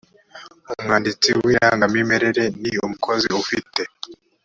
umwanditsi w irangamimerere ni umukozi ufite